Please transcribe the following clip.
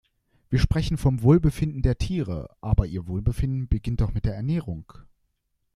Wir sprechen vom Wohlbefinden der Tiere, aber ihr Wohlbefinden beginnt doch mit der Ernährung.